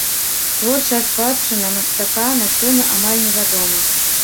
Творчая спадчына мастака на сёння амаль невядома.